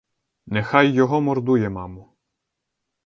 Нехай його мордує маму!